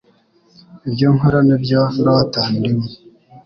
Ibyo nkora n'ibyo ndota ndimo,